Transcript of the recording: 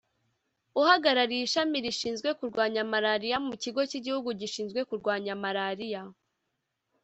uhagarariye ishami rishinzwe kurwanya malariya mu Kigo k’Iguhugu gishinzwe kurwanya malariya